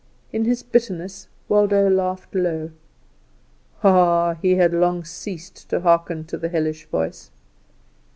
In his bitterness Waldo laughed low: Ah, he had long ceased to hearken to the hellish voice.